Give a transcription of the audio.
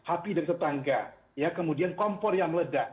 api dari tetangga ya kemudian kompor yang meledak